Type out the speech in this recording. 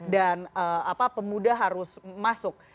dan pemuda harus masuk